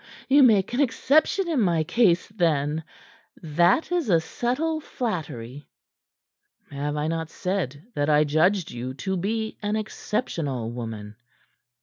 "You make an exception in my case, then. That is a subtle flattery!" "Have I not said that I had judged you to be an exceptional woman?"